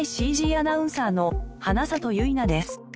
アナウンサーの花里ゆいなです。